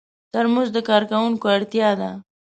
ترموز د کارکوونکو اړتیا ده.